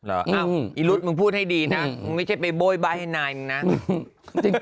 อ้าวอีฤทธิ์มึงพูดให้ดีนะมึงไม่ใช่ไปโบ๊ยบายให้นายหนึ่งนะ